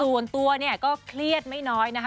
ส่วนตัวเนี่ยก็เครียดไม่น้อยนะคะ